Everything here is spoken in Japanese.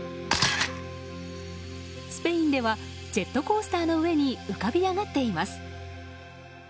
スペインではジェットコースターの上に浮かび上がっています。